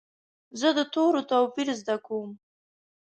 زه د تورو توپیر زده کوم.